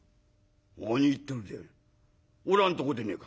「何言ってるんでえ。